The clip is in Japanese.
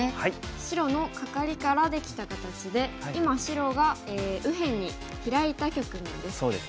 白のカカリからできた形で今白が右辺にヒラいた局面です。